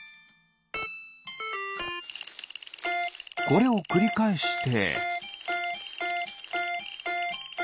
これをくりかえして。